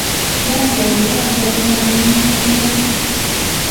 Badru omukazi omulala n'amwerabira.